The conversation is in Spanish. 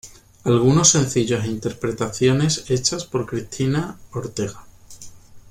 Algunos sencillos e interpretaciones hechas por Cristina Ortega.